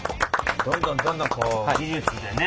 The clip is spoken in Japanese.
どんどんどんどんこう技術でね